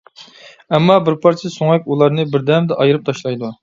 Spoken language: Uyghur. ئەمما بىر پارچە سۆڭەك ئۇلارنى بىردەمدە ئايرىپ تاشلايدۇ.